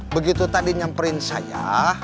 begitu tadi nyamperin saya